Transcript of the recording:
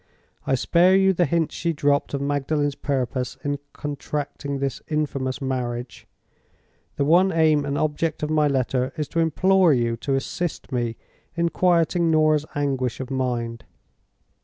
I spare you the hints she dropped of Magdalen's purpose in contracting this infamous marriage. The one aim and object of my letter is to implore you to assist me in quieting Norah's anguish of mind.